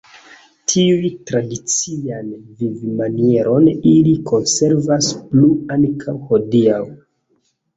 Tiun tradician vivmanieron ili konservas plu ankaŭ hodiaŭ.